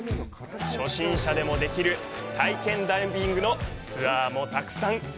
初心者でもできる体験ダイビングのツアーもたくさん。